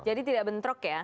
jadi tidak bentrok ya